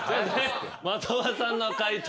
的場さんの解答